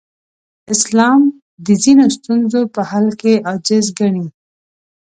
اسلام د ځینو ستونزو په حل کې عاجز ګڼي.